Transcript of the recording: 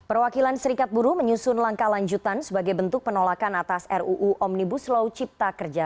perwakilan serikat buru menyusun langkah lanjutan sebagai bentuk penolakan atas ruu omnibus law cipta kerja